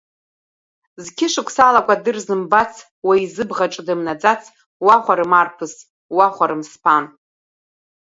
Зқьышықәсала акәадыр зымбац, уаҩ зыбӷаҿ дымнаӡац, уахәарым, арԥыс, уахәарым сԥан!